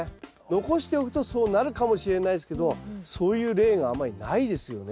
残しておくとそうなるかもしれないですけどそういう例があまりないですよね。